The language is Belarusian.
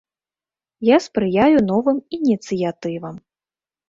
Я спрыяю новым ініцыятывам.